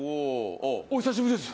お久しぶりです。